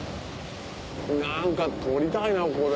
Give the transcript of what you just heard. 何か撮りたいなこれ。